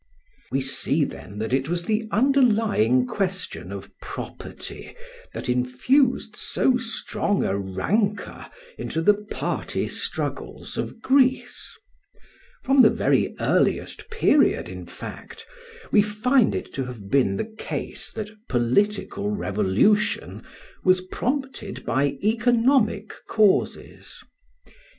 ] We see then that it was the underlying question of property that infused so strong a rancour into the party struggles of Greece. From the very earliest period, in fact, we find it to have been the case that political revolution was prompted by economic causes.